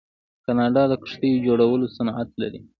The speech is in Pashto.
کاناډا د کښتیو جوړولو صنعت لري.